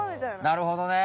なるほどね。